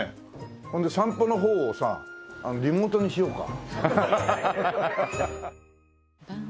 ほんで散歩の方をさリモートにしようか？